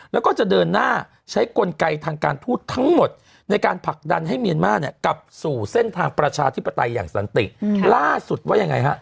แล้วก็จะเดินหน้าใช้กลไกทางการทูตทั้งหมดในการผลักดันให้เมียนมาร์เนี่ยกลับสู่เส้นทางประชาธิปไตยอย่างสันติล่าสุดว่ายังไงฮะ